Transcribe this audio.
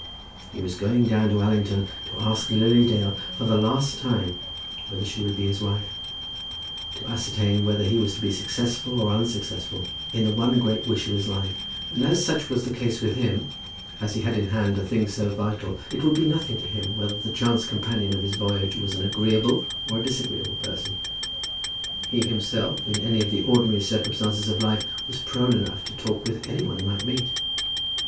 He was going down to Allington to ask Lily Dale for the last time whether she would be his wife; to ascertain whether he was to be successful or unsuccessful in the one great wish of his life; and, as such was the case with him, as he had in hand a thing so vital, it could be nothing to him whether the chance companion of his voyage was an agreeable or a disagreeable person. He himself, in any of the ordinary circumstances of life, was prone enough to talk with any one he might meet.